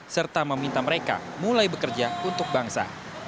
serta meminta mereka mulai bekerja untuk bangsa